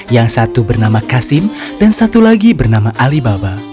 yang satu bernama kasim dan satu lagi bernama alibaba